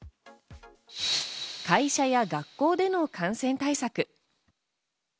会社や学校での感染対策。